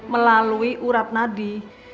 melalui urat nadi